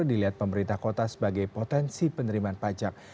dilihat pemerintah kota sebagai potensi penerimaan pajak